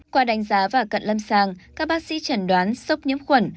qua đánh giá và cận lâm sàng các bác sĩ chẩn đoán sốc nhiễm khuẩn